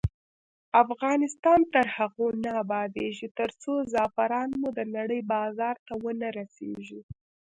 افغانستان تر هغو نه ابادیږي، ترڅو زعفران مو د نړۍ بازار ته ونه رسیږي.